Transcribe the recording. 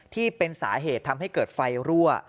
ที่เป็นสาเหตุทำให้เกิดไฟรั่ว